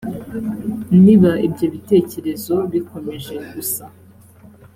niba ibyo bitekerezo bikomeje gusa.